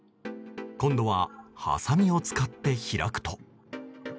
今度ははさみを使って開くと。